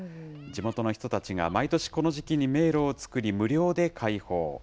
地元の人たちが毎年この時期に迷路を作り、無料で開放。